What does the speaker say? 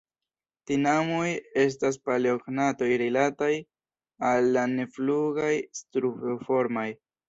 Tinamoj estas paleognatoj rilataj al la neflugaj Strutoformaj.